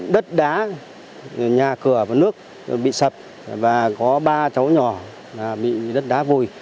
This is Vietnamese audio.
đất đá nhà cửa và nước bị sập và có ba cháu nhỏ bị đất đá vùi